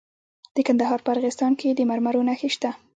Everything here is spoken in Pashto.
د کندهار په ارغستان کې د مرمرو نښې شته.